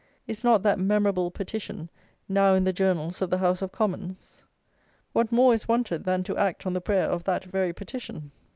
Is not that memorable petition now in the Journals of the House of Commons? What more is wanted than to act on the prayer of that very petition?